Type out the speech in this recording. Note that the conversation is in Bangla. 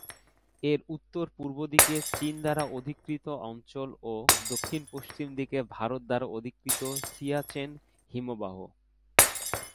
এর উত্তর-পূর্ব দিকে চীন দ্বারা অধিকৃত অঞ্চল ও দক্ষিণ-পশ্চিম দিকে ভারত দ্বারা অধিকৃত সিয়াচেন হিমবাহ।